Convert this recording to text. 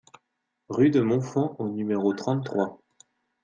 Rue de Montfand au numéro trente-trois